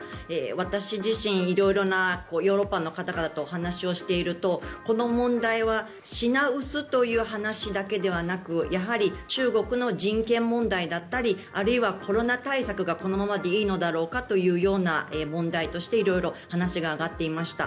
私自身、色々なヨーロッパの方とお話をしているとこの問題は品薄という話だけではなくやはり中国の人権問題だったりあるいはコロナ対策がこのままでいいのだろうかというような問題として色々話が挙がっていました。